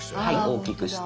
大きくして。